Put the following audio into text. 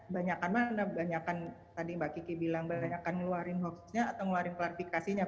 banyak mana banyak tadi mbak kiki bilang banyak kan ngeluarin hoaxnya atau ngeluarin klarifikasinya